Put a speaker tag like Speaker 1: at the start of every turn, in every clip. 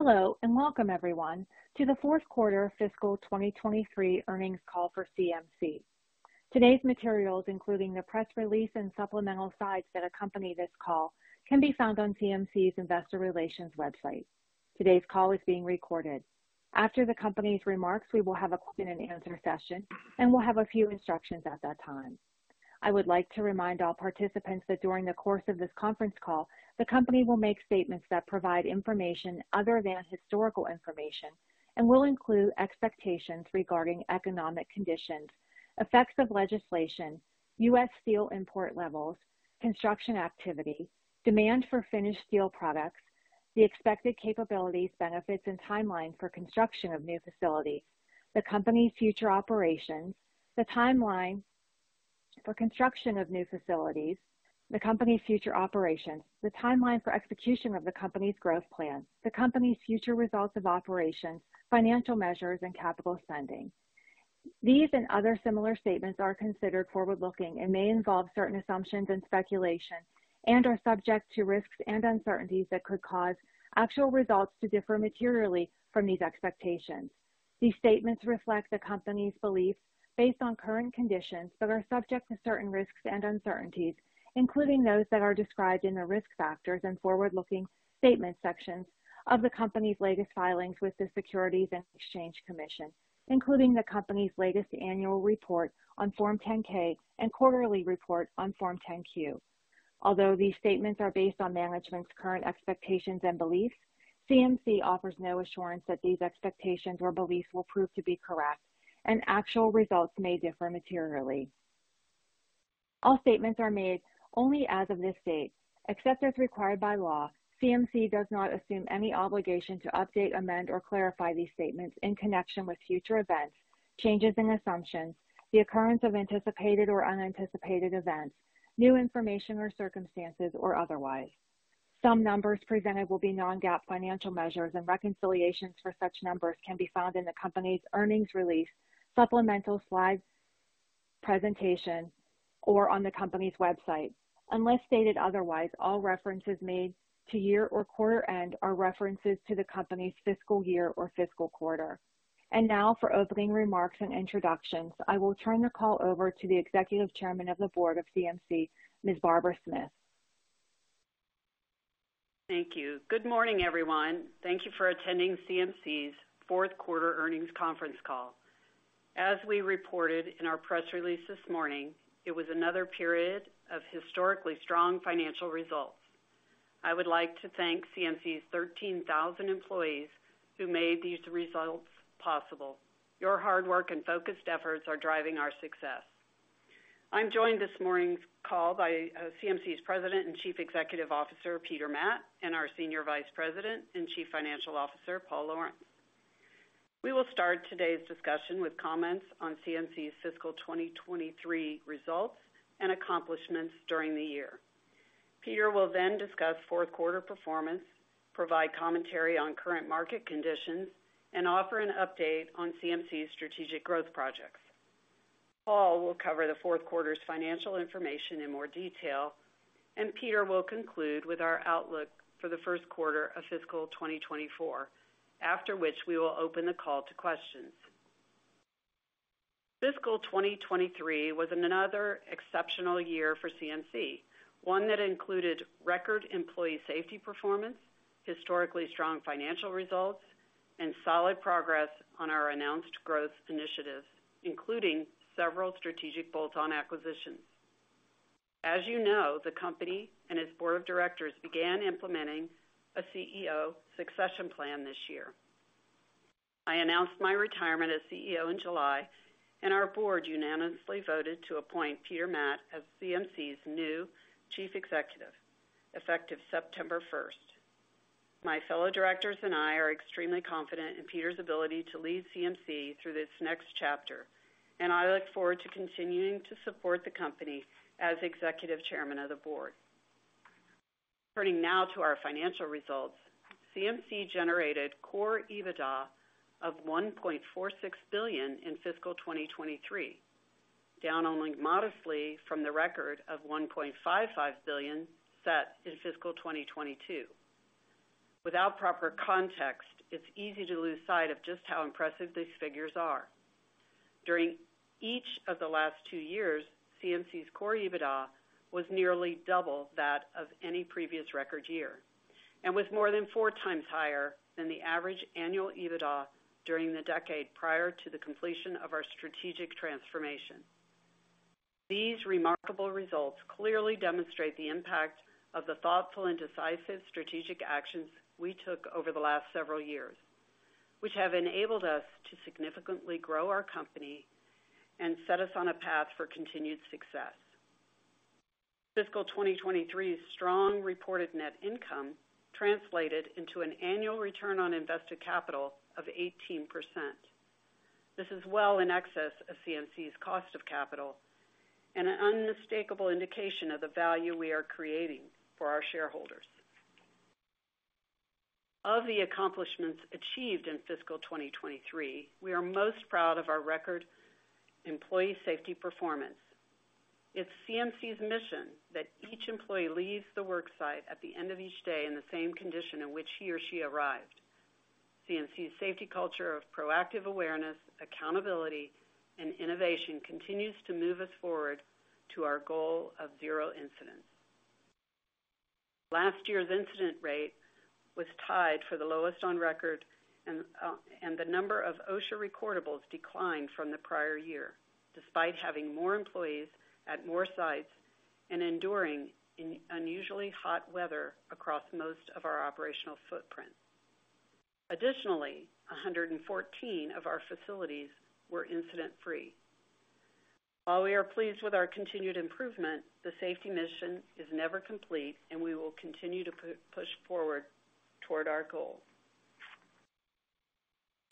Speaker 1: Hello, and welcome everyone, to the fourth quarter fiscal 2023 earnings call for CMC. Today's materials, including the press release and supplemental slides that accompany this call, can be found on CMC's Investor Relations website. Today's call is being recorded. After the company's remarks, we will have a question and answer session, and we'll have a few instructions at that time. I would like to remind all participants that during the course of this conference call, the company will make statements that provide information other than historical information and will include expectations regarding economic conditions, effects of legislation, U.S. steel import levels, construction activity, demand for finished steel products, the expected capabilities, benefits, and timeline for construction of new facilities, the company's future operations, the timeline for construction of new facilities, the company's future operations, the timeline for execution of the company's growth plans, the company's future results of operations, financial measures, and capital spending. These and other similar statements are considered forward-looking and may involve certain assumptions and speculation, and are subject to risks and uncertainties that could cause actual results to differ materially from these expectations. These statements reflect the company's beliefs based on current conditions, but are subject to certain risks and uncertainties, including those that are described in the risk factors and forward-looking statement sections of the company's latest filings with the Securities and Exchange Commission, including the company's latest annual report on Form 10-K and quarterly report on Form 10-Q. Although these statements are based on management's current expectations and beliefs, CMC offers no assurance that these expectations or beliefs will prove to be correct, and actual results may differ materially. All statements are made only as of this date. Except as required by law, CMC does not assume any obligation to update, amend, or clarify these statements in connection with future events, changes in assumptions, the occurrence of anticipated or unanticipated events, new information or circumstances, or otherwise. Some numbers presented will be Non-GAAP financial measures, and reconciliations for such numbers can be found in the company's earnings release, supplemental slides presentation, or on the company's website. Unless stated otherwise, all references made to year or quarter end are references to the company's fiscal year or fiscal quarter. And now for opening remarks and introductions, I will turn the call over to the Executive Chairman of the Board of CMC, Ms. Barbara Smith.
Speaker 2: Thank you. Good morning, everyone. Thank you for attending CMC's fourth quarter earnings conference call. As we reported in our press release this morning, it was another period of historically strong financial results. I would like to thank CMC's 13,000 employees who made these results possible. Your hard work and focused efforts are driving our success. I'm joined this morning's call by CMC's President and Chief Executive Officer, Peter Matt, and our Senior Vice President and Chief Financial Officer, Paul Lawrence. We will start today's discussion with comments on CMC's fiscal 2023 results and accomplishments during the year. Peter will then discuss fourth quarter performance, provide commentary on current market conditions, and offer an update on CMC's strategic growth projects. Paul will cover the fourth quarter's financial information in more detail, and Peter will conclude with our outlook for the first quarter of fiscal 2024, after which we will open the call to questions. Fiscal 2023 was another exceptional year for CMC, one that included record employee safety performance, historically strong financial results, and solid progress on our announced growth initiatives, including several strategic bolt-on acquisitions. As you know, the company and its board of directors began implementing a CEO succession plan this year. I announced my retirement as CEO in July, and our board unanimously voted to appoint Peter Matt as CMC's new Chief Executive, effective September 1st. My fellow directors and I are extremely confident in Peter's ability to lead CMC through this next chapter, and I look forward to continuing to support the company as Executive Chairman of the Board. Turning now to our financial results. CMC generated core EBITDA of $1.46 billion in fiscal 2023, down only modestly from the record of $1.55 billion set in fiscal 2022. Without proper context, it's easy to lose sight of just how impressive these figures are. During each of the last two years, CMC's core EBITDA was nearly double that of any previous record year and was more than four times higher than the average annual EBITDA during the decade prior to the completion of our strategic transformation. These remarkable results clearly demonstrate the impact of the thoughtful and decisive strategic actions we took over the last several years, which have enabled us to significantly grow our company and set us on a path for continued success. Fiscal 2023's strong reported net income translated into an annual return on invested capital of 18%. This is well in excess of CMC's cost of capital and an unmistakable indication of the value we are creating for our shareholders. Of the accomplishments achieved in fiscal 2023, we are most proud of our record employee safety performance. It's CMC's mission that each employee leaves the work site at the end of each day in the same condition in which he or she arrived. CMC's safety culture of proactive awareness, accountability, and innovation continues to move us forward to our goal of zero incidents. Last year's incident rate was tied for the lowest on record, and the number of OSHA recordables declined from the prior year, despite having more employees at more sites and enduring an unusually hot weather across most of our operational footprint. Additionally, 114 of our facilities were incident-free. While we are pleased with our continued improvement, the safety mission is never complete, and we will continue to push forward toward our goal.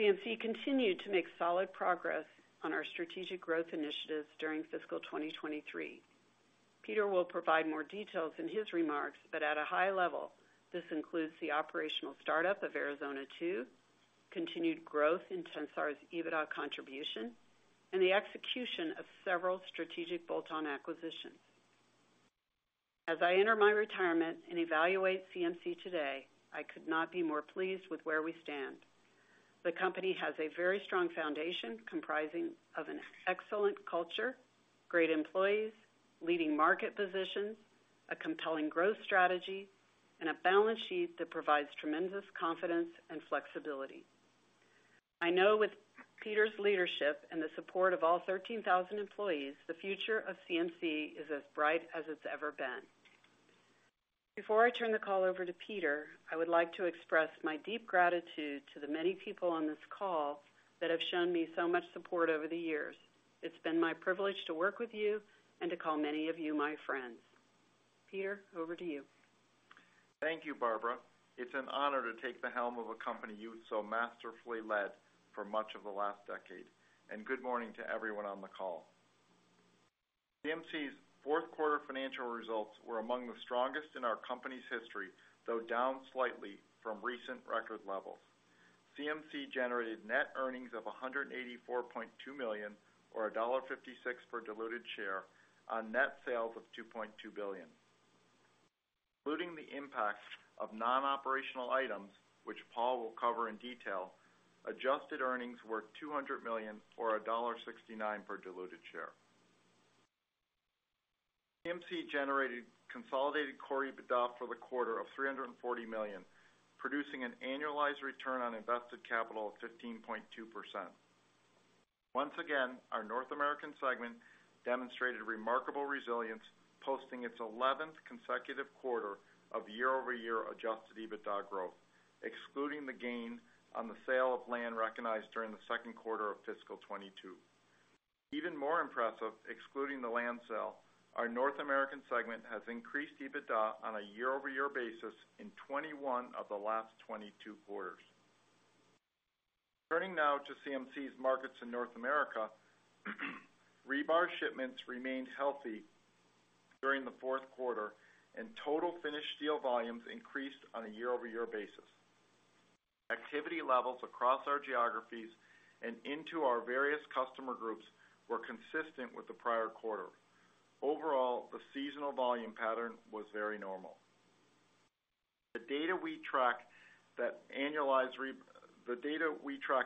Speaker 2: CMC continued to make solid progress on our strategic growth initiatives during fiscal 2023. Peter will provide more details in his remarks, but at a high level, this includes the operational startup of Arizona 2, continued growth in Tensar's EBITDA contribution, and the execution of several strategic bolt-on acquisitions. As I enter my retirement and evaluate CMC today, I could not be more pleased with where we stand. The company has a very strong foundation comprising of an excellent culture, great employees, leading market positions, a compelling growth strategy, and a balance sheet that provides tremendous confidence and flexibility. I know with Peter's leadership and the support of all 13,000 employees, the future of CMC is as bright as it's ever been. Before I turn the call over to Peter, I would like to express my deep gratitude to the many people on this call that have shown me so much support over the years. It's been my privilege to work with you and to call many of you my friends. Peter, over to you.
Speaker 3: Thank you, Barbara. It's an honor to take the helm of a company you've so masterfully led for much of the last decade, and good morning to everyone on the call. CMC's fourth quarter financial results were among the strongest in our company's history, though down slightly from recent record levels. CMC generated net earnings of $184.2 million, or $1.56 per diluted share on net sales of $2.2 billion. Including the impact of non-operational items, which Paul will cover in detail, adjusted earnings were $200 million, or $1.69 per diluted share. CMC generated consolidated core EBITDA for the quarter of $340 million, producing an annualized return on invested capital of 15.2%. Once again, our North American segment demonstrated remarkable resilience, posting its 11th consecutive quarter of year-over-year adjusted EBITDA growth, excluding the gain on the sale of land recognized during the second quarter of fiscal 2022. Even more impressive, excluding the land sale, our North American segment has increased EBITDA on a year-over-year basis in 21 of the last 22 quarters. Turning now to CMC's markets in North America, rebar shipments remained healthy during the fourth quarter, and total finished steel volumes increased on a year-over-year basis. Activity levels across our geographies and into our various customer groups were consistent with the prior quarter. Overall, the seasonal volume pattern was very normal. The data we track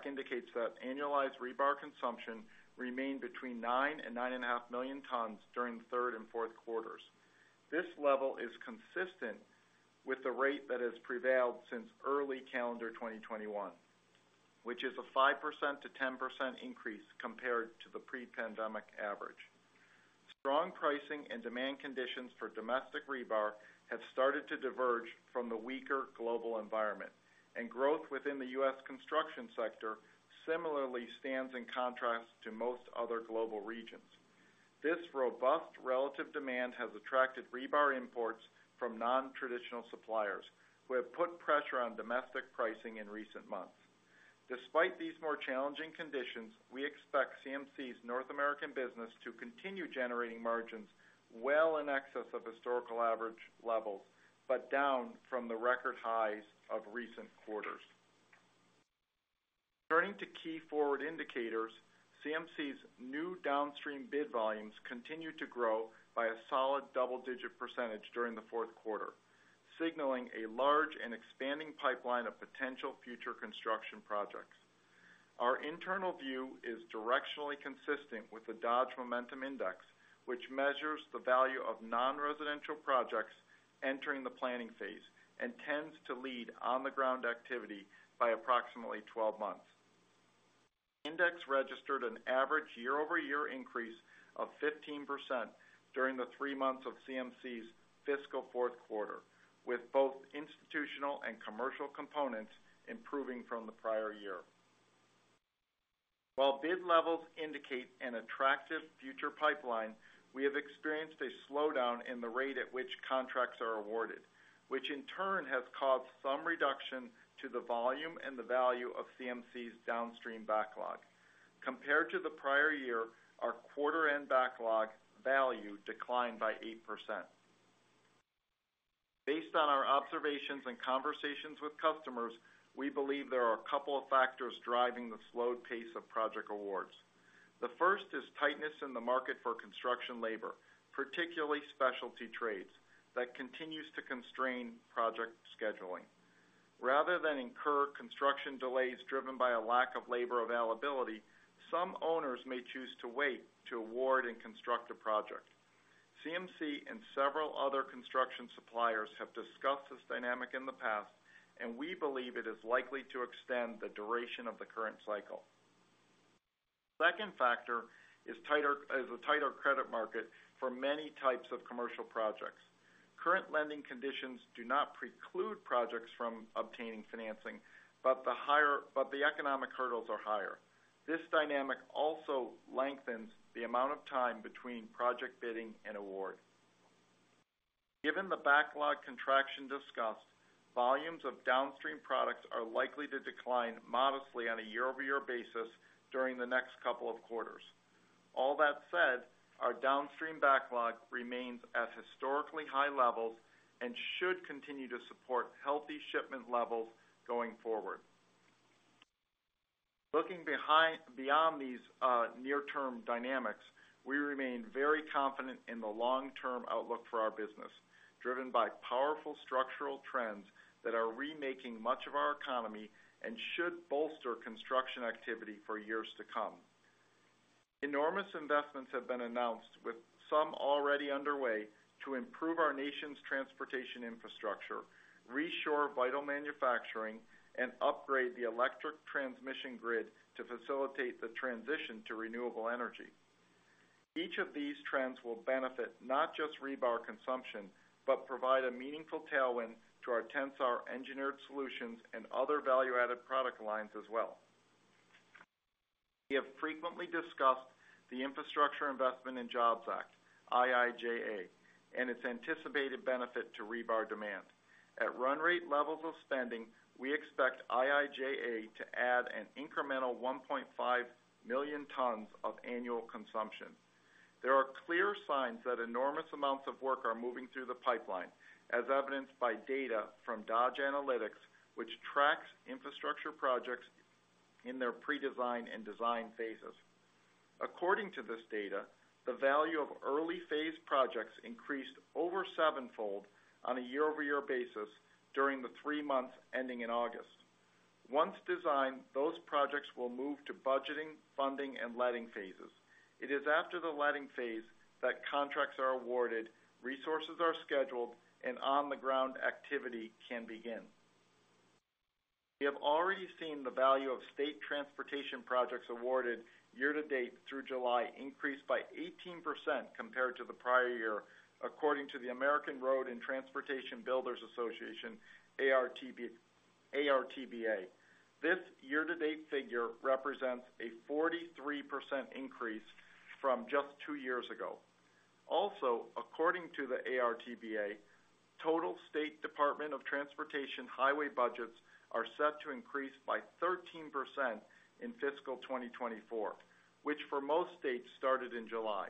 Speaker 3: indicates that annualized rebar consumption remained between 9 million and 9.5 million tons during the third and fourth quarters. This level is consistent with the rate that has prevailed since early calendar 2021, which is a 5%-10% increase compared to the pre-pandemic average. Strong pricing and demand conditions for domestic rebar have started to diverge from the weaker global environment, and growth within the U.S. construction sector similarly stands in contrast to most other global regions. This robust relative demand has attracted rebar imports from non-traditional suppliers, who have put pressure on domestic pricing in recent months. Despite these more challenging conditions, we expect CMC's North American business to continue generating margins well in excess of historical average levels, but down from the record highs of recent quarters. Turning to key forward indicators, CMC's new downstream bid volumes continued to grow by a solid double-digit percentage during the fourth quarter, signaling a large and expanding pipeline of potential future construction projects. Our internal view is directionally consistent with the Dodge Momentum Index, which measures the value of non-residential projects entering the planning phase and tends to lead on-the-ground activity by approximately 12 months. The index registered an average year-over-year increase of 15% during the three months of CMC's fiscal fourth quarter, with both institutional and commercial components improving from the prior year. While bid levels indicate an attractive future pipeline, we have experienced a slowdown in the rate at which contracts are awarded, which in turn has caused some reduction to the volume and the value of CMC's downstream backlog. Compared to the prior year, our quarter-end backlog value declined by 8%. Based on our observations and conversations with customers, we believe there are a couple of factors driving the slowed pace of project awards. The first is tightness in the market for construction labor, particularly specialty trades, that continues to constrain project scheduling. Rather than incur construction delays driven by a lack of labor availability, some owners may choose to wait to award and construct a project. CMC and several other construction suppliers have discussed this dynamic in the past, and we believe it is likely to extend the duration of the current cycle. Second factor is a tighter credit market for many types of commercial projects. Current lending conditions do not preclude projects from obtaining financing, but the economic hurdles are higher. This dynamic also lengthens the amount of time between project bidding and award. Given the backlog contraction discussed, volumes of downstream products are likely to decline modestly on a year-over-year basis during the next couple of quarters. All that said, our downstream backlog remains at historically high levels and should continue to support healthy shipment levels going forward. Looking beyond these, near-term dynamics, we remain very confident in the long-term outlook for our business, driven by powerful structural trends that are remaking much of our economy and should bolster construction activity for years to come. Enormous investments have been announced, with some already underway, to improve our nation's transportation infrastructure, reshore vital manufacturing, and upgrade the electric transmission grid to facilitate the transition to renewable energy. Each of these trends will benefit not just rebar consumption, but provide a meaningful tailwind to our Tensar engineered solutions and other value-added product lines as well. We have frequently discussed the Infrastructure Investment and Jobs Act, IIJA, and its anticipated benefit to rebar demand. At run rate levels of spending, we expect IIJA to add an incremental 1.5 million tons of annual consumption. There are clear signs that enormous amounts of work are moving through the pipeline, as evidenced by data from Dodge Analytics, which tracks infrastructure projects in their pre-design and design phases. According to this data, the value of early-phase projects increased over sevenfold on a year-over-year basis during the three months ending in August. Once designed, those projects will move to budgeting, funding, and letting phases. It is after the letting phase that contracts are awarded, resources are scheduled, and on-the-ground activity can begin. We have already seen the value of state transportation projects awarded year-to-date through July increase by 18% compared to the prior year, according to the American Road and Transportation Builders Association, ARTBA. This year-to-date figure represents a 43% increase from just two years ago. Also, according to the ARTBA, total state Department of Transportation highway budgets are set to increase by 13% in fiscal 2024, which for most states, started in July.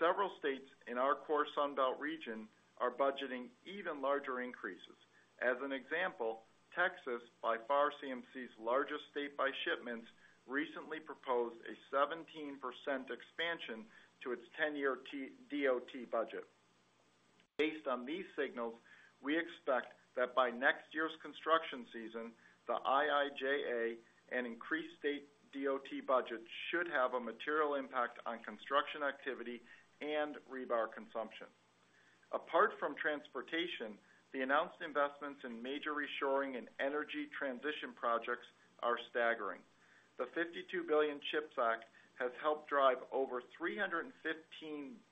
Speaker 3: Several states in our core Sun Belt region are budgeting even larger increases. As an example, Texas, by far CMC's largest state by shipments, recently proposed a 17% expansion to its 10-year TxDOT budget. Based on these signals, we expect that by next year's construction season, the IIJA and increased state DOT budgets should have a material impact on construction activity and rebar consumption. Apart from transportation, the announced investments in major reshoring and energy transition projects are staggering. The $52 billion CHIPS Act has helped drive over $315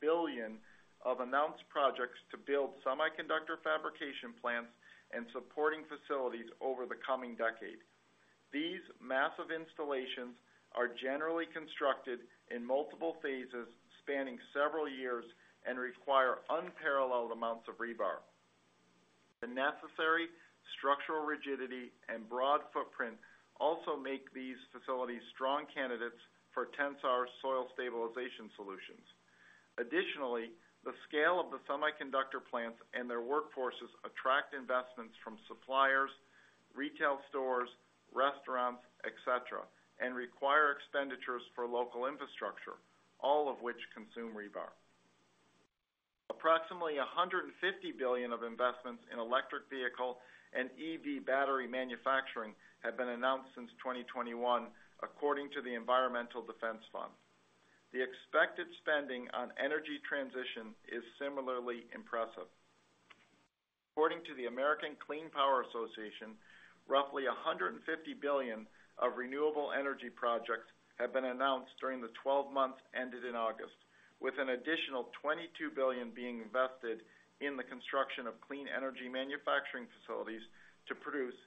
Speaker 3: billion of announced projects to build semiconductor fabrication plants and supporting facilities over the coming decade. These massive installations are generally constructed in multiple phases, spanning several years, and require unparalleled amounts of rebar. The necessary structural rigidity and broad footprint also make these facilities strong candidates for Tensar soil stabilization solutions. Additionally, the scale of the semiconductor plants and their workforces attract investments from suppliers, retail stores, restaurants, et cetera, and require expenditures for local infrastructure, all of which consume rebar. Approximately $150 billion of investments in electric vehicle and EV battery manufacturing have been announced since 2021, according to the Environmental Defense Fund. The expected spending on energy transition is similarly impressive. According to the American Clean Power Association, roughly $150 billion of renewable energy projects have been announced during the twelve months ended in August, with an additional $22 billion being invested in the construction of clean energy manufacturing facilities to produce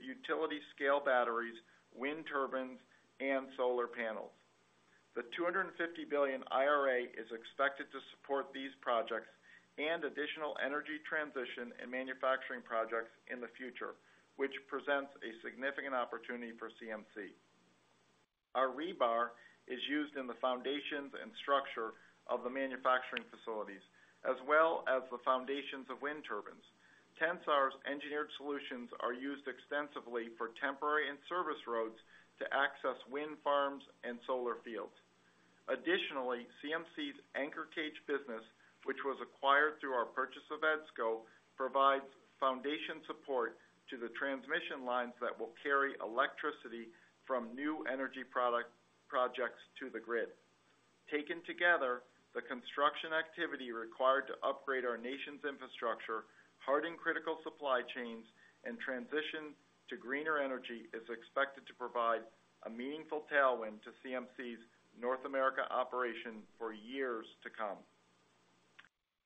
Speaker 3: utility-scale batteries, wind turbines, and solar panels. The $250 billion IRA is expected to support these projects and additional energy transition and manufacturing projects in the future, which presents a significant opportunity for CMC. Our rebar is used in the foundations and structure of the manufacturing facilities, as well as the foundations of wind turbines. Tensar's engineered solutions are used extensively for temporary and service roads to access wind farms and solar fields. Additionally, CMC's anchor cage business, which was acquired through our purchase of EDSCO, provides foundation support to the transmission lines that will carry electricity from new energy projects to the grid. Taken together, the construction activity required to upgrade our nation's infrastructure, harden critical supply chains, and transition to greener energy, is expected to provide a meaningful tailwind to CMC's North America operation for years to come.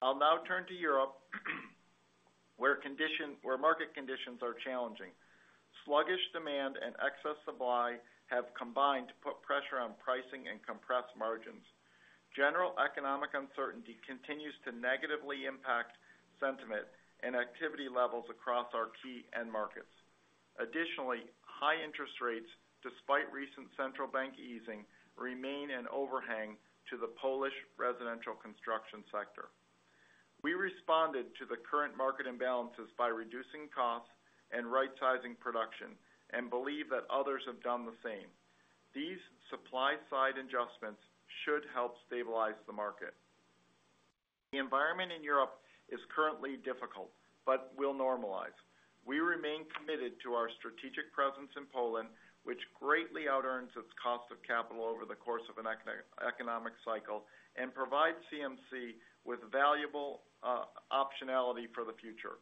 Speaker 3: I'll now turn to Europe, where market conditions are challenging. Sluggish demand and excess supply have combined to put pressure on pricing and compressed margins. General economic uncertainty continues to negatively impact sentiment and activity levels across our key end markets. Additionally, high interest rates, despite recent central bank easing, remain an overhang to the Polish residential construction sector. We responded to the current market imbalances by reducing costs and right-sizing production, and believe that others have done the same. These supply-side adjustments should help stabilize the market. The environment in Europe is currently difficult, but will normalize. We remain committed to our strategic presence in Poland, which greatly outearns its cost of capital over the course of an economic cycle and provides CMC with valuable, optionality for the future.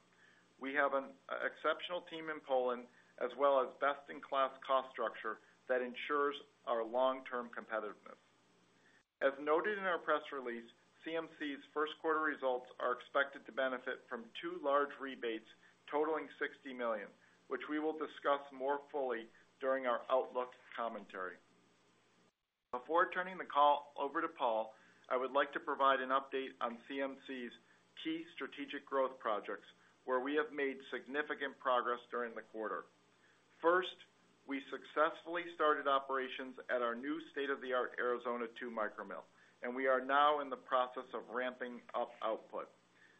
Speaker 3: We have an exceptional team in Poland, as well as best-in-class cost structure that ensures our long-term competitiveness. As noted in our press release, CMC's first quarter results are expected to benefit from two large rebates totaling $60 million, which we will discuss more fully during our outlook commentary. Before turning the call over to Paul, I would like to provide an update on CMC's key strategic growth projects, where we have made significant progress during the quarter. First, we successfully started operations at our new state-of-the-art Arizona 2 micro mill, and we are now in the process of ramping up output.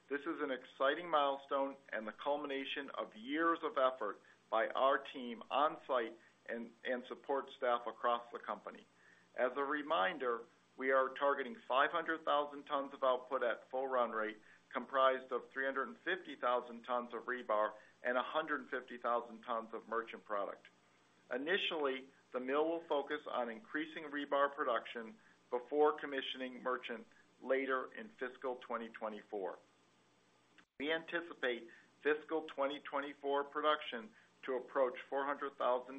Speaker 3: This is an exciting milestone and the culmination of years of effort by our team on-site and support staff across the company. As a reminder, we are targeting 500,000 tons of output at full run rate, comprised of 350,000 tons of rebar and 150,000 tons of merchant product. Initially, the mill will focus on increasing rebar production before commissioning merchant later in fiscal 2024. We anticipate fiscal 2024 production to approach 400,000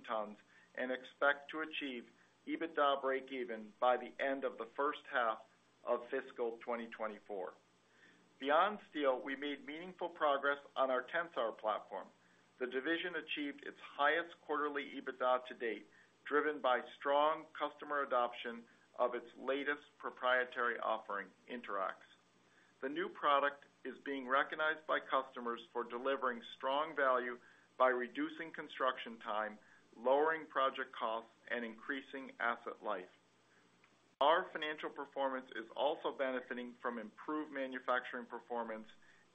Speaker 3: tons and expect to achieve EBITDA breakeven by the end of the first half of fiscal 2024. Beyond steel, we made meaningful progress on our Tensar platform. The division achieved its highest quarterly EBITDA to date, driven by strong customer adoption of its latest proprietary offering, InterAx. The new product is being recognized by customers for delivering strong value by reducing construction time, lowering project costs, and increasing asset life. Our financial performance is also benefiting from improved manufacturing performance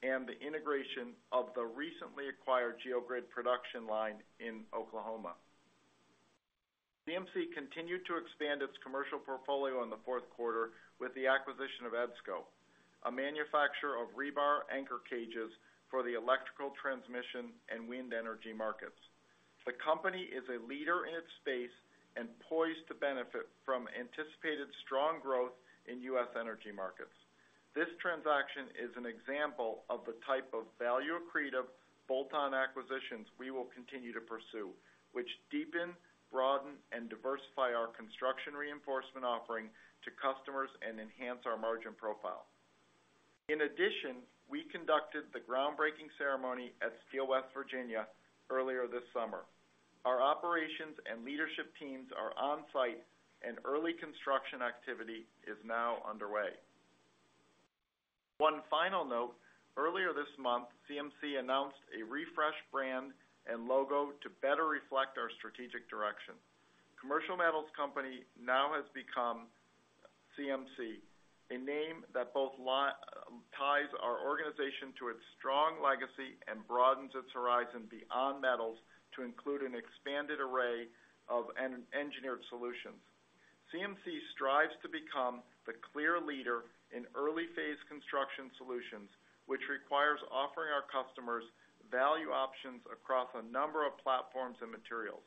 Speaker 3: and the integration of the recently acquired geogrid production line in Oklahoma. CMC continued to expand its commercial portfolio in the fourth quarter with the acquisition of EDSCO, a manufacturer of rebar anchor cages for the electrical transmission and wind energy markets. The company is a leader in its space and poised to benefit from anticipated strong growth in U.S. energy markets. This transaction is an example of the type of value-accretive, bolt-on acquisitions we will continue to pursue, which deepen, broaden, and diversify our construction reinforcement offering to customers and enhance our margin profile. In addition, we conducted the groundbreaking ceremony at Steel West Virginia earlier this summer. Our operations and leadership teams are on-site, and early construction activity is now underway. One final note: earlier this month, CMC announced a refreshed brand and logo to better reflect our strategic direction. Commercial Metals Company now has become CMC, a name that both ties our organization to its strong legacy and broadens its horizon beyond metals to include an expanded array of engineered solutions. CMC strives to become the clear leader in early-phase construction solutions, which requires offering our customers value options across a number of platforms and materials.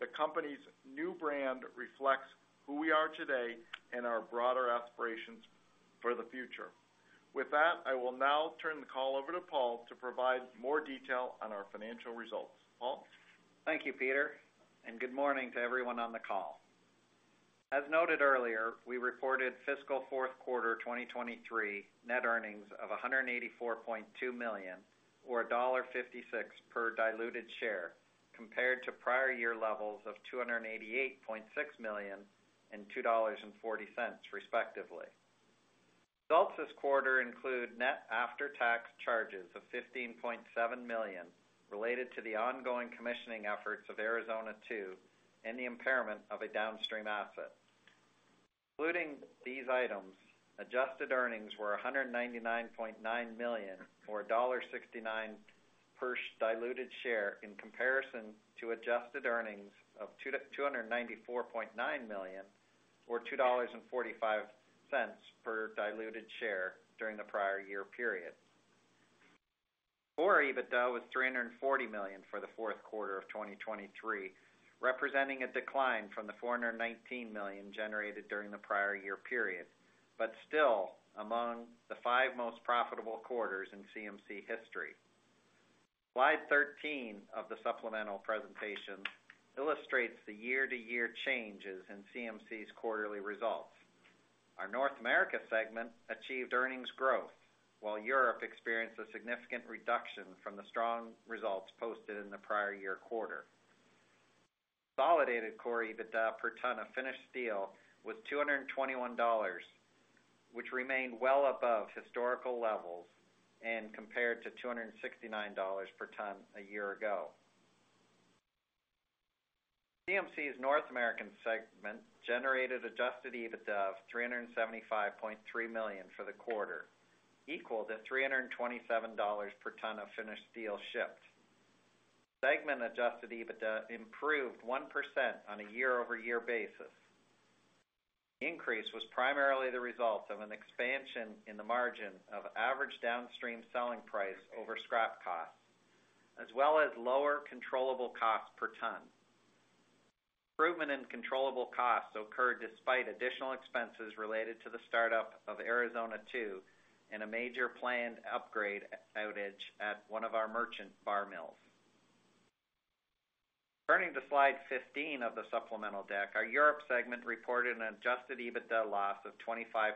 Speaker 3: The company's new brand reflects who we are today and our broader aspirations for the future. With that, I will now turn the call over to Paul to provide more detail on our financial results. Paul?
Speaker 4: Thank you, Peter, and good morning to everyone on the call. As noted earlier, we reported fiscal fourth quarter 2023 net earnings of $184.2 million, or $1.56 per diluted share, compared to prior year levels of $288.6 million and $2.40, respectively. Results this quarter include net after-tax charges of $15.7 million, related to the ongoing commissioning efforts of Arizona 2 and the impairment of a downstream asset. Including these items, adjusted earnings were $199.9 million, or $1.69 per diluted share, in comparison to adjusted earnings of $294.9 million, or $2.45 per diluted share during the prior year period. Core EBITDA was $340 million for the fourth quarter of 2023, representing a decline from the $419 million generated during the prior year period, but still among the five most profitable quarters in CMC history. Slide 13 of the supplemental presentation illustrates the year-to-year changes in CMC's quarterly results. Our North America segment achieved earnings growth, while Europe experienced a significant reduction from the strong results posted in the prior year quarter. Consolidated core EBITDA per ton of finished steel was $221, which remained well above historical levels, and compared to $269 per ton a year ago. CMC's North American segment generated adjusted EBITDA of $375.3 million for the quarter, equal to $327 per ton of finished steel shipped. Segment adjusted EBITDA improved 1% on a year-over-year basis. Increase was primarily the result of an expansion in the margin of average downstream selling price over scrap cost, as well as lower controllable costs per ton. Improvement in controllable costs occurred despite additional expenses related to the startup of Arizona 2 and a major planned upgrade outage at one of our merchant bar mills. Turning to slide 15 of the supplemental deck, our Europe segment reported an adjusted EBITDA loss of $25.7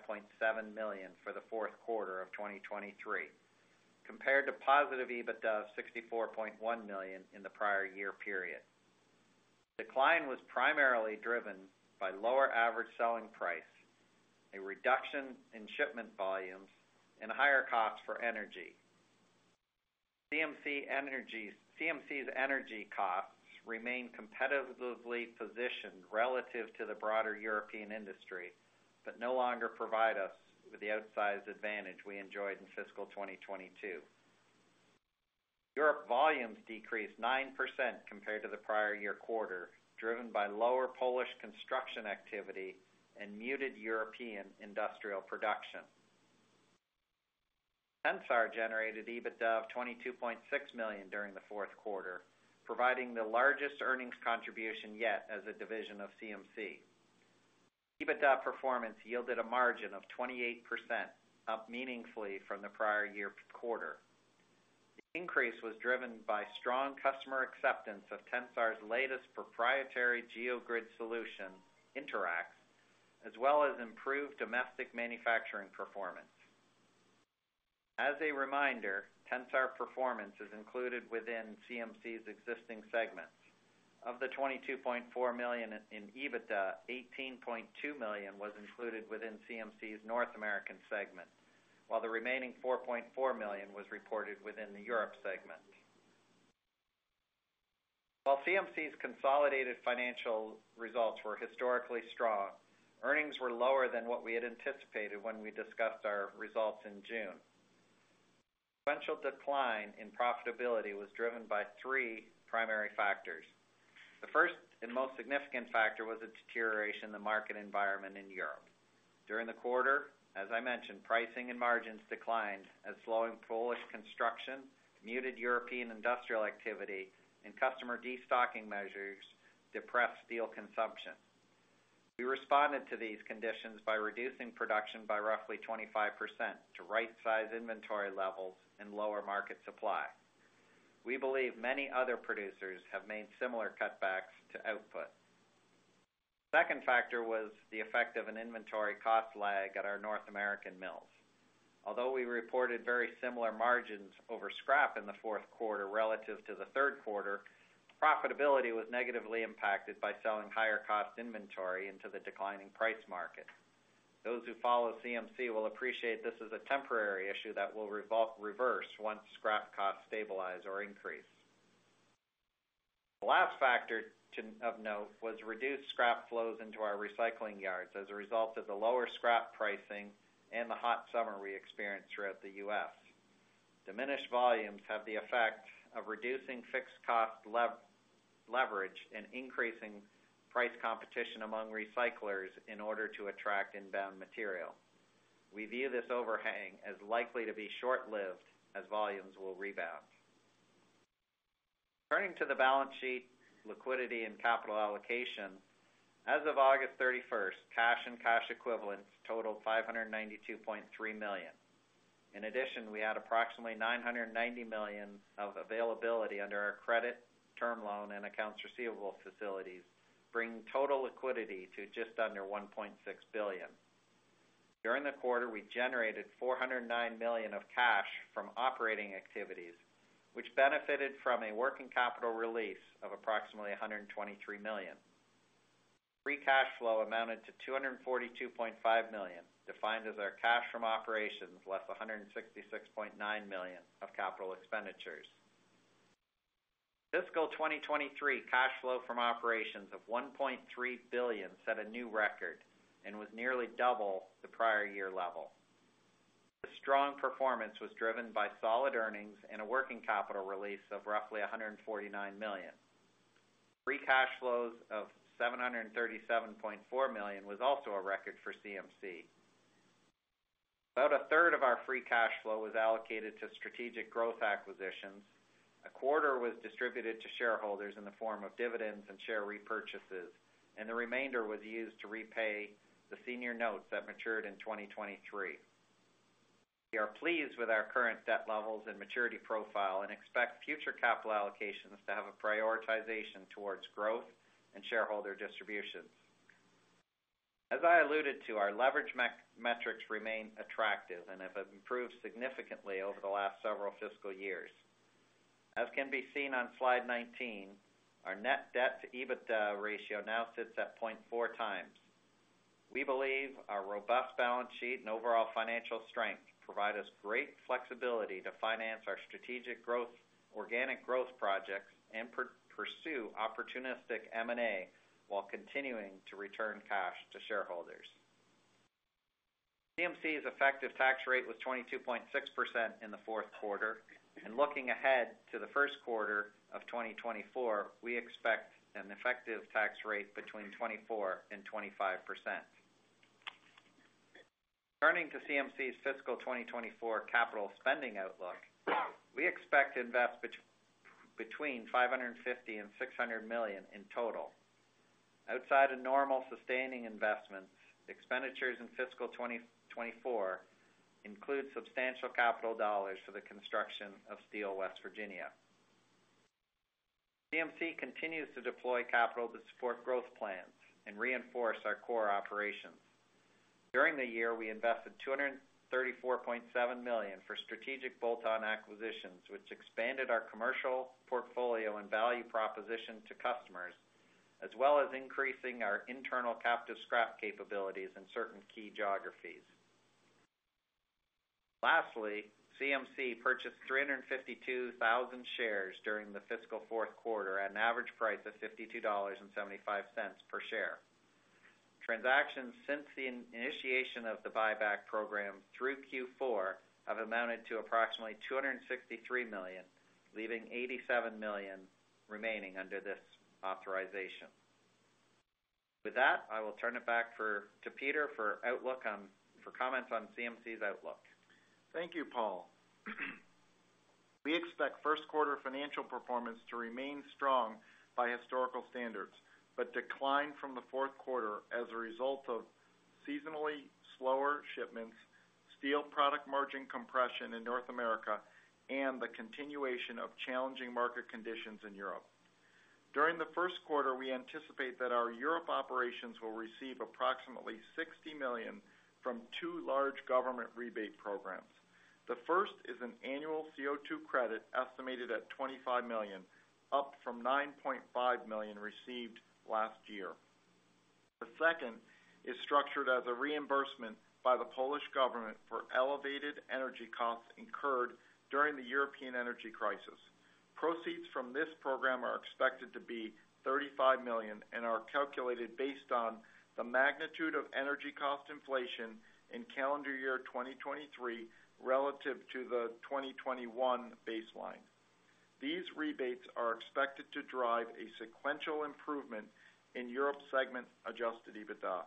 Speaker 4: million for the fourth quarter of 2023, compared to positive EBITDA of $64.1 million in the prior year period. Decline was primarily driven by lower average selling price, a reduction in shipment volumes, and higher costs for energy. CMC Energy—CMC's energy costs remain competitively positioned relative to the broader European industry, but no longer provide us with the outsized advantage we enjoyed in fiscal 2022. Europe volumes decreased 9% compared to the prior year quarter, driven by lower Polish construction activity and muted European industrial production. Tensar generated EBITDA of $22.6 million during the fourth quarter, providing the largest earnings contribution yet as a division of CMC. EBITDA performance yielded a margin of 28%, up meaningfully from the prior year quarter. The increase was driven by strong customer acceptance of Tensar's latest proprietary geogrid solution, InterAx, as well as improved domestic manufacturing performance. As a reminder, Tensar performance is included within CMC's existing segments. Of the $22.4 million in EBITDA, $18.2 million was included within CMC's North American segment, while the remaining $4.4 million was reported within the Europe segment. While CMC's consolidated financial results were historically strong, earnings were lower than what we had anticipated when we discussed our results in June. Substantial decline in profitability was driven by three primary factors. The first and most significant factor was a deterioration in the market environment in Europe. During the quarter, as I mentioned, pricing and margins declined as slowing Polish construction, muted European industrial activity, and customer destocking measures depressed steel consumption. We responded to these conditions by reducing production by roughly 25% to right-size inventory levels and lower market supply. We believe many other producers have made similar cutbacks to output. Second factor was the effect of an inventory cost lag at our North American mills. Although we reported very similar margins over scrap in the fourth quarter relative to the third quarter, profitability was negatively impacted by selling higher-cost inventory into the declining price market. Those who follow CMC will appreciate this is a temporary issue that will reverse once scrap costs stabilize or increase. The last factor to, of note, was reduced scrap flows into our recycling yards as a result of the lower scrap pricing and the hot summer we experienced throughout the U.S. Diminished volumes have the effect of reducing fixed cost leverage and increasing price competition among recyclers in order to attract inbound material. We view this overhang as likely to be short-lived, as volumes will rebound. Turning to the balance sheet, liquidity, and capital allocation. As of August 31st, cash and cash equivalents totaled $592.3 million. In addition, we had approximately $990 million of availability under our credit term loan and accounts receivable facilities, bringing total liquidity to just under $1.6 billion. During the quarter, we generated $409 million of cash from operating activities, which benefited from a working capital release of approximately $123 million. Free cash flow amounted to $242.5 million, defined as our cash from operations, less $166.9 million of capital expenditures. Fiscal 2023 cash flow from operations of $1.3 billion set a new record and was nearly double the prior year level. This strong performance was driven by solid earnings and a working capital release of roughly $149 million. Free cash flows of $737.4 million was also a record for CMC. About a third of our free cash flow was allocated to strategic growth acquisitions. A quarter was distributed to shareholders in the form of dividends and share repurchases, and the remainder was used to repay the senior notes that matured in 2023. We are pleased with our current debt levels and maturity profile and expect future capital allocations to have a prioritization towards growth and shareholder distributions. As I alluded to, our leverage metrics remain attractive and have improved significantly over the last several fiscal years. As can be seen on slide 19, our net debt to EBITDA ratio now sits at 0.4x. We believe our robust balance sheet and overall financial strength provide us great flexibility to finance our strategic growth, organic growth projects, and pursue opportunistic M&A, while continuing to return cash to shareholders. CMC's effective tax rate was 22.6% in the fourth quarter, and looking ahead to the first quarter of 2024, we expect an effective tax rate between 24% and 25%. Turning to CMC's fiscal 2024 capital spending outlook, we expect to invest between $550 million and $600 million in total. Outside of normal sustaining investments, expenditures in fiscal 2024 include substantial capital dollars for the construction of Steel West Virginia. CMC continues to deploy capital to support growth plans and reinforce our core operations. During the year, we invested $234.7 million for strategic bolt-on acquisitions, which expanded our commercial portfolio and value proposition to customers, as well as increasing our internal captive scrap capabilities in certain key geographies. Lastly, CMC purchased 352,000 shares during the fiscal fourth quarter at an average price of $52.75 per share. Transactions since the initiation of the buyback program through Q4 have amounted to approximately $263 million, leaving $87 million remaining under this authorization. With that, I will turn it back to Peter for outlook for comments on CMC's outlook.
Speaker 3: Thank you, Paul. We expect first quarter financial performance to remain strong by historical standards, but decline from the fourth quarter as a result of seasonally slower shipments, steel product margin compression in North America, and the continuation of challenging market conditions in Europe. During the first quarter, we anticipate that our Europe operations will receive approximately $60 million from two large government rebate programs. The first is an annual CO2 credit, estimated at $25 million, up from $9.5 million received last year. The second is structured as a reimbursement by the Polish government for elevated energy costs incurred during the European energy crisis. Proceeds from this program are expected to be $35 million and are calculated based on the magnitude of energy cost inflation in calendar year 2023, relative to the 2021 baseline. These rebates are expected to drive a sequential improvement in Europe segment adjusted EBITDA.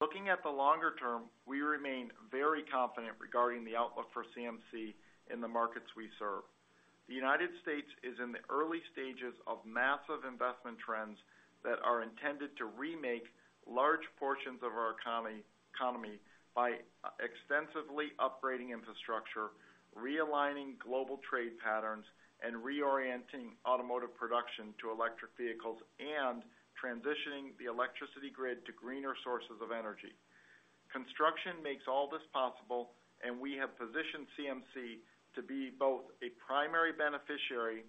Speaker 3: Looking at the longer-term, we remain very confident regarding the outlook for CMC in the markets we serve. The United States is in the early stages of massive investment trends that are intended to remake large portions of our economy by extensively upgrading infrastructure, realigning global trade patterns, and reorienting automotive production to electric vehicles, and transitioning the electricity grid to greener sources of energy. Construction makes all this possible, and we have positioned CMC to be both a primary beneficiary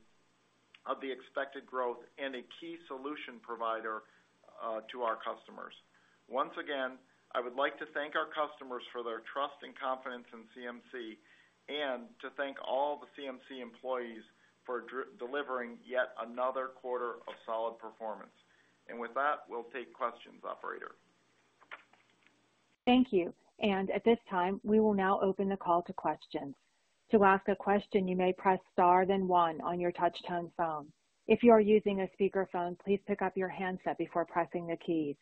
Speaker 3: of the expected growth and a key solution provider to our customers. Once again, I would like to thank our customers for their trust and confidence in CMC, and to thank all the CMC employees for delivering yet another quarter of solid performance. With that, we'll take questions, operator.
Speaker 1: Thank you. At this time, we will now open the call to questions. To ask a question, you may press star, then One on your touchtone phone. If you are using a speakerphone, please pick up your handset before pressing the keys.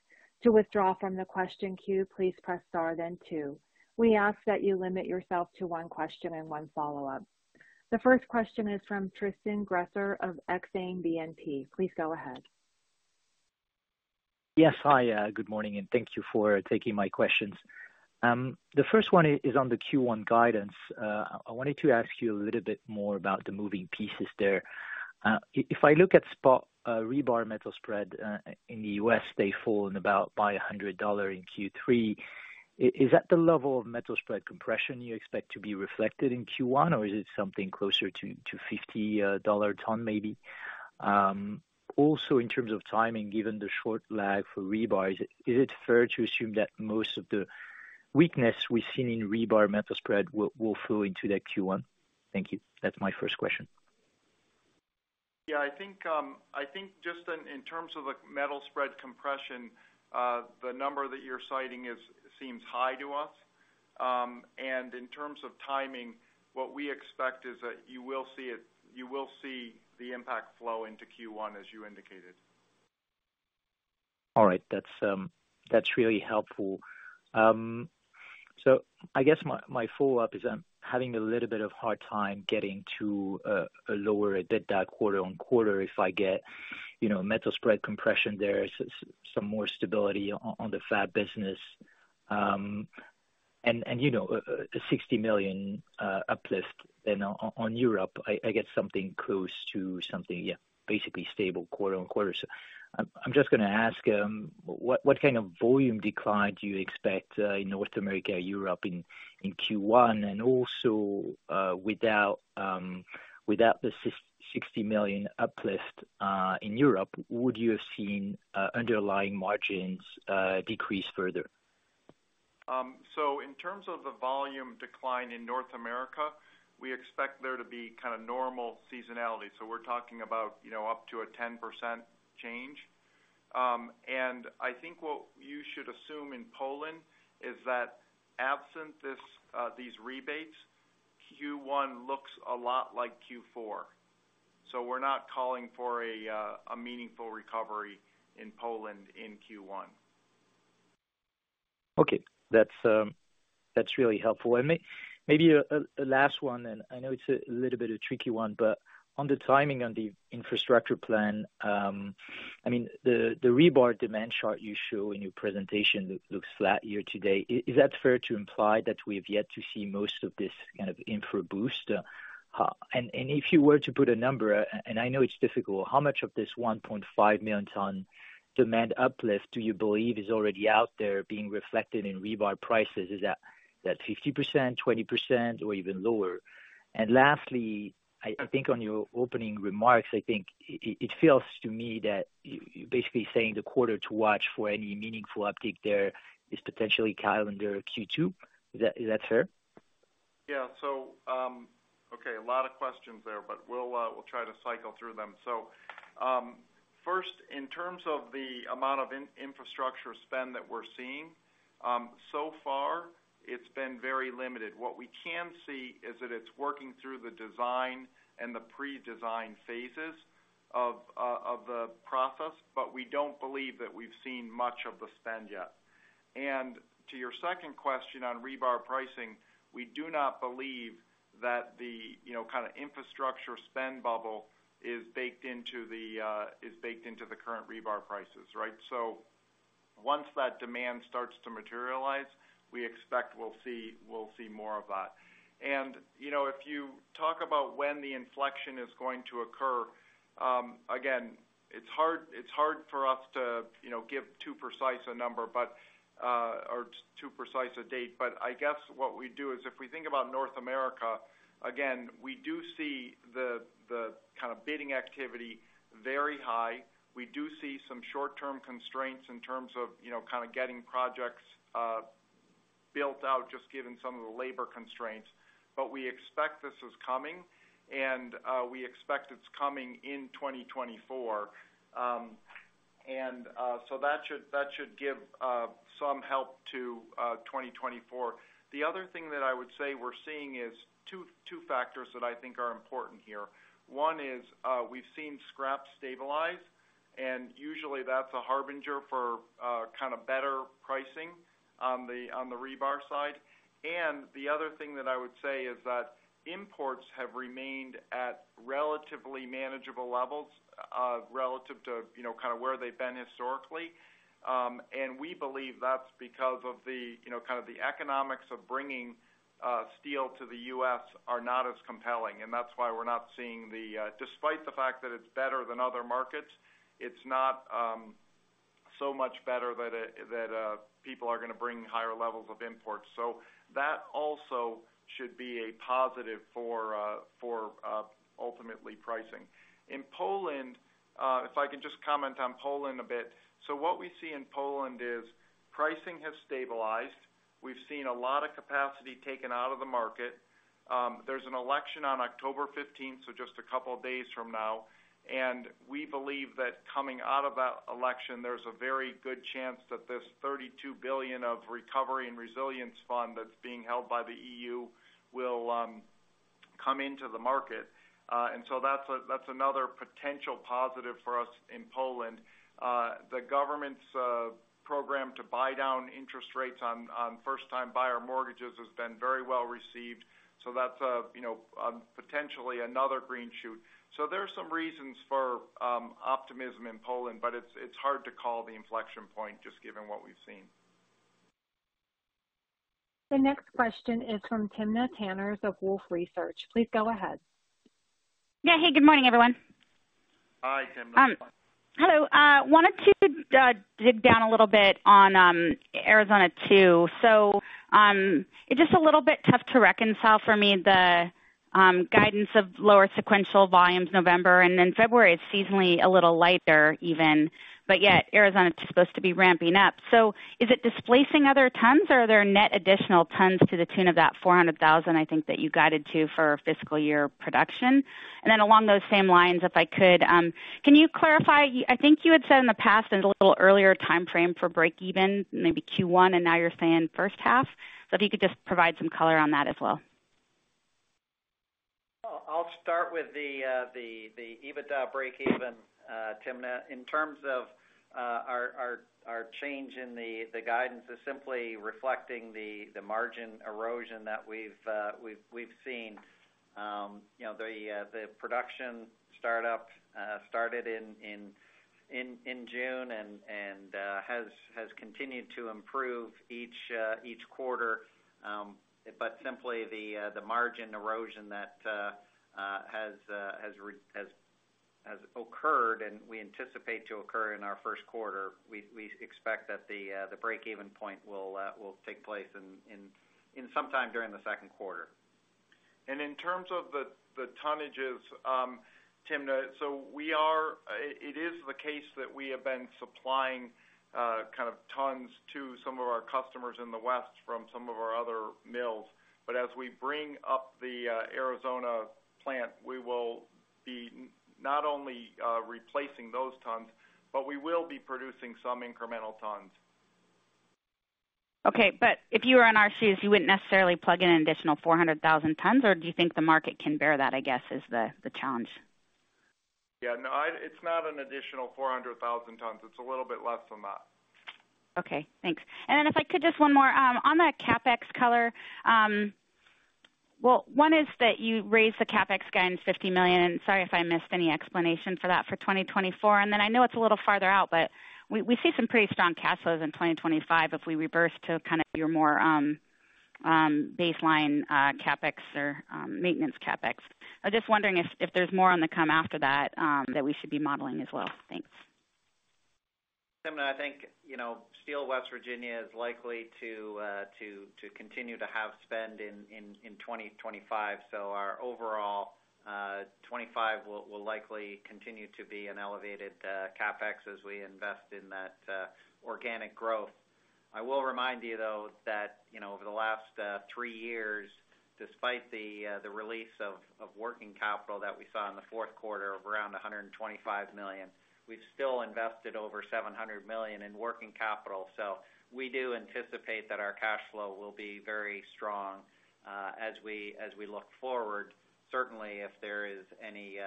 Speaker 1: To withdraw from the question queue, please press star then two. We ask that you limit yourself to one question and one follow-up. The first question is from Tristan Gresser of Exane BNP. Please go ahead.
Speaker 5: Yes. Hi, good morning, and thank you for taking my questions. The first one is on the Q1 guidance. I wanted to ask you a little bit more about the moving pieces there. If I look at spot rebar metal spread in the U.S., they fall in about by $100 in Q3. Is that the level of metal spread compression you expect to be reflected in Q1, or is it something closer to $50 per ton maybe? Also, in terms of timing, given the short lag for rebar, is it fair to assume that most of the weakness we've seen in rebar metal spread will flow into that Q1? Thank you. That's my first question.
Speaker 3: Yeah, I think, I think just in, in terms of the metal spread compression, the number that you're citing is- seems high to us. And in terms of timing, what we expect is that you will see it- you will see the impact flow into Q1, as you indicated.
Speaker 5: All right. That's, that's really helpful. So I guess my, my follow-up is I'm having a little bit of hard time getting to a lower EBITDA quarter-over-quarter if I get, you know, metal spread compression there, some more stability on the flat business. And, and, you know, a $60 million uplift then on Europe, I get something close to something, yeah, basically stable quarter-over-quarter. So I'm just gonna ask what kind of volume decline do you expect in North America, Europe, in Q1? And also, without the $60 million uplift in Europe, would you have seen underlying margins decrease further?
Speaker 3: So in terms of the volume decline in North America, we expect there to be kind of normal seasonality. So we're talking about, you know, up to a 10% change. And I think what you should assume in Poland is that absent this, these rebates, Q1 looks a lot like Q4. So we're not calling for a, a meaningful recovery in Poland in Q1.
Speaker 5: Okay. That's really helpful. Maybe a last one, and I know it's a little bit of a tricky one, but on the timing on the infrastructure plan, I mean, the rebar demand chart you show in your presentation looks flat year to date. Is that fair to imply that we have yet to see most of this kind of infra boost? If you were to put a number, and I know it's difficult, how much of this $1.5 million ton demand uplift do you believe is already out there being reflected in rebar prices? Is that 50%, 20%, or even lower? And lastly, I think on your opening remarks, I think it feels to me that you're basically saying the quarter to watch for any meaningful uptick there is potentially calendar Q2. Is that fair?
Speaker 3: Yeah. So, okay, a lot of questions there, but we'll, we'll try to cycle through them. So, first, in terms of the amount of infrastructure spend that we're seeing, so far, it's been very limited. What we can see is that it's working through the design and the pre-design phases of, of the process, but we don't believe that we've seen much of the spend yet. And to your second question on rebar pricing, we do not believe that the, you know, kind of infrastructure spend bubble is baked into the, is baked into the current rebar prices, right? So once that demand starts to materialize, we expect we'll see, we'll see more of that. And, you know, if you talk about when the inflection is going to occur, again, it's hard for us to, you know, give too precise a number, but or too precise a date. But I guess what we do is if we think about North America, again, we do see the kind of bidding activity very high. We do see some short-term constraints in terms of, you know, kind of getting projects built out, just given some of the labor constraints. But we expect this is coming, and we expect it's coming in 2024. And so that should give some help to 2024. The other thing that I would say we're seeing is two factors that I think are important here. One is, we've seen scrap stabilize, and usually that's a harbinger for, kind of better pricing on the, on the rebar side. And the other thing that I would say is that imports have remained at relatively manageable levels, relative to, you know, kind of where they've been historically. And we believe that's because of the, you know, kind of the economics of bringing, steel to the U.S. are not as compelling, and that's why we're not seeing the... Despite the fact that it's better than other markets, it's not, so much better that, that, people are gonna bring higher levels of imports. So that also should be a positive for, for, ultimately pricing. In Poland, if I could just comment on Poland a bit. So what we see in Poland is pricing has stabilized. We've seen a lot of capacity taken out of the market. There's an election on October fifteenth, so just a couple of days from now. We believe that coming out of that election, there's a very good chance that this 32 billion of Recovery and Resilience Fund that's being held by the EU will come into the market. And so that's another potential positive for us in Poland. The government's program to buy down interest rates on first-time buyer mortgages has been very well received, so that's a, you know, potentially another green shoot. So there are some reasons for optimism in Poland, but it's hard to call the inflection point, just given what we've seen.
Speaker 1: The next question is from Timna Tanners of Wolfe Research. Please go ahead.
Speaker 6: Yeah. Hey, good morning, everyone.
Speaker 3: Hi, Timna.
Speaker 6: Hello. Wanted to dig down a little bit on Arizona 2. So, it's just a little bit tough to reconcile for me, the guidance of lower sequential volumes November, and then February is seasonally a little lighter even, but yet Arizona 2 is supposed to be ramping up. So is it displacing other tons, or are there net additional tons to the tune of that 400,000, I think that you guided to for fiscal year production? And then along those same lines, if I could, can you clarify? I think you had said in the past, there's a little earlier timeframe for breakeven, maybe Q1, and now you're saying first half. So if you could just provide some color on that as well.
Speaker 4: Well, I'll start with the EBITDA breakeven, Timna. In terms of our change in the guidance is simply reflecting the margin erosion that we've seen. You know, the production startup started in June and has continued to improve each quarter. But simply the margin erosion that has occurred and we anticipate to occur in our first quarter. We expect that the breakeven point will take place in sometime during the second quarter.
Speaker 3: And in terms of the tonnages, Timna, so we are. It is the case that we have been supplying kind of tons to some of our customers in the West from some of our other mills. But as we bring up the Arizona plant, we will be not only replacing those tons, but we will be producing some incremental tons.
Speaker 6: Okay, but if you were in our shoes, you wouldn't necessarily plug in an additional 400,000 tons, or do you think the market can bear that, I guess, is the challenge?
Speaker 3: Yeah, no. It's not an additional 400,000 tons. It's a little bit less than that.
Speaker 6: Okay, thanks. If I could, just one more. On that CapEx color, well, one is that you raised the CapEx guidance $50 million. Sorry if I missed any explanation for that for 2024. I know it's a little farther out, but we see some pretty strong cash flows in 2025 if we reverse to kind of your more baseline CapEx or maintenance CapEx. I'm just wondering if there's more on the come after that that we should be modeling as well. Thanks.
Speaker 4: Timna, I think, you know, Steel West Virginia is likely to continue to have spend in 2025. So our overall 2025 will likely continue to be an elevated CapEx as we invest in that organic growth. I will remind you, though, that, you know, over the last three years, despite the release of working capital that we saw in the fourth quarter of around $125 million, we've still invested over $700 million in working capital. So we do anticipate that our cash flow will be very strong as we look forward, certainly if there is any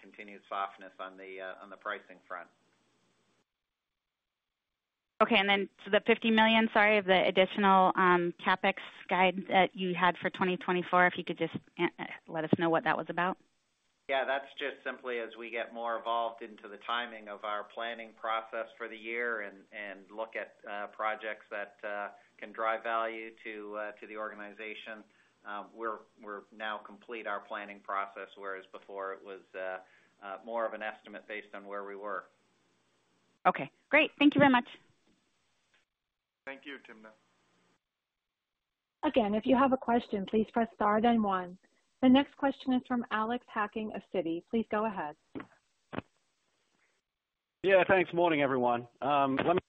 Speaker 4: continued softness on the pricing front.
Speaker 6: Okay, then the $50 million, sorry, of the additional CapEx guide that you had for 2024, if you could just let us know what that was about.
Speaker 4: Yeah, that's just simply as we get more involved into the timing of our planning process for the year and look at projects that can drive value to the organization. We're now complete our planning process, whereas before it was more of an estimate based on where we were.
Speaker 6: Okay, great. Thank you very much.
Speaker 3: Thank you, Timna.
Speaker 1: Again, if you have a question, please press star, then one. The next question is from Alex Hacking of Citi. Please go ahead.
Speaker 7: Yeah, thanks. Morning, everyone. Let me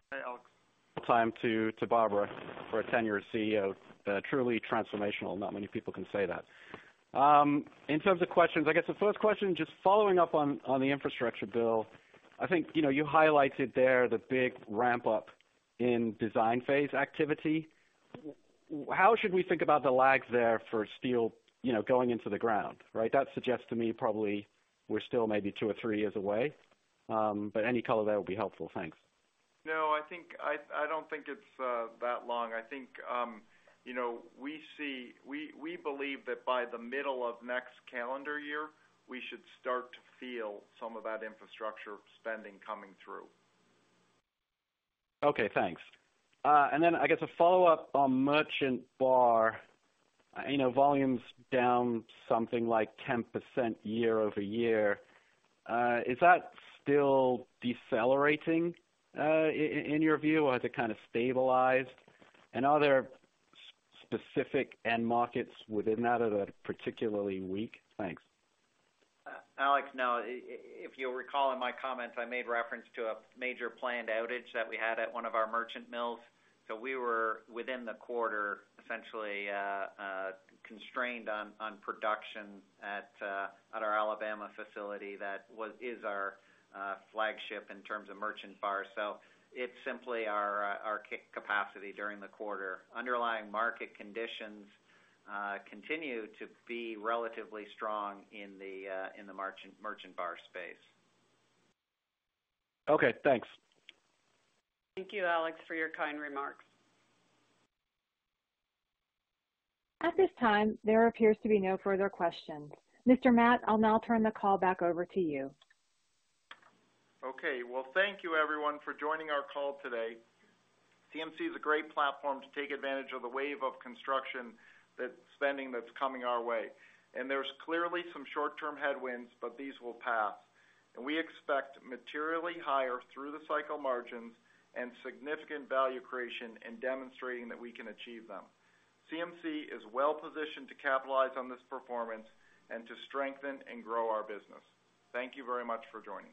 Speaker 7: thank Alex for the time to thank Barbara for a tenured CEO. Truly transformational. Not many people can say that. In terms of questions, I guess the first question, just following up on the infrastructure bill, I think, you know, you highlighted there the big ramp-up in design phase activity. How should we think about the lags there for steel, you know, going into the ground, right? That suggests to me probably we're still maybe two or three years away, but any color there will be helpful. Thanks.
Speaker 3: No, I think I don't think it's that long. I think, you know, we believe that by the middle of next calendar year, we should start to feel some of that infrastructure spending coming through.
Speaker 7: Okay, thanks. And then I guess a follow-up on merchant bar. You know, volume's down something like 10% year-over-year. Is that still decelerating in your view, or has it kind of stabilized? And are there specific end markets within that that are particularly weak? Thanks.
Speaker 4: Alex, no. If you'll recall in my comments, I made reference to a major planned outage that we had at one of our merchant mills. So we were within the quarter, essentially, constrained on production at our Alabama facility. That is our flagship in terms of merchant bar. So it's simply our capacity during the quarter. Underlying market conditions continue to be relatively strong in the merchant bar space.
Speaker 7: Okay, thanks.
Speaker 4: Thank you, Alex, for your kind remarks.
Speaker 1: At this time, there appears to be no further questions. Mr. Matt, I'll now turn the call back over to you.
Speaker 3: Okay. Well, thank you everyone for joining our call today. CMC is a great platform to take advantage of the wave of construction, that spending that's coming our way. There's clearly some short-term headwinds, but these will pass, and we expect materially higher through-the-cycle margins and significant value creation in demonstrating that we can achieve them. CMC is well-positioned to capitalize on this performance and to strengthen and grow our business. Thank you very much for joining us.